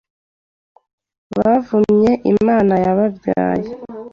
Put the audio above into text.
Bavumye Imana n'ababyaye